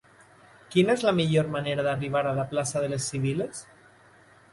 Quina és la millor manera d'arribar a la plaça de les Sibil·les?